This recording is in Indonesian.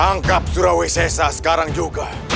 tangkap surawi sesa sekarang juga